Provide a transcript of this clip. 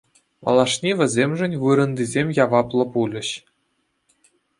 Малашне вӗсемшӗн вырӑнтисем яваплӑ пулӗҫ.